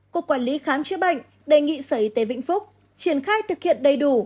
cục quản lý khám chữa bệnh đề nghị sở y tế vĩnh phúc triển khai thực hiện đầy đủ